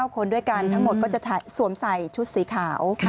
คนด้วยกันทั้งหมดก็จะสวมใส่ชุดสีขาว